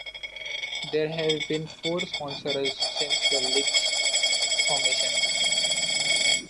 There have been four sponsors since the league's formation.